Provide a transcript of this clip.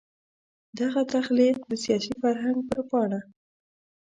دغه تخلیق د سیاسي فرهنګ پر پاڼه.